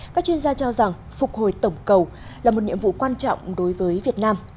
các chuyên gia cho rằng phục hồi tổng cầu là một nhiệm vụ quan trọng đối với việt nam